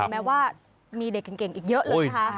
แม้ว่ามีเด็กเก่งอีกเยอะเลยนะคะ